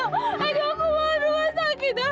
aduh aku mau ke rumah sakit dong